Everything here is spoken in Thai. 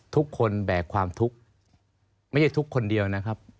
แบกความทุกข์ไม่ใช่ทุกข์คนเดียวนะครับ